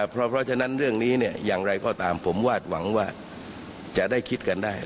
เพราะฉะนั้นเรื่องนี้อย่างไรก็ตามผมวาดหวังว่าจะได้คิดกันได้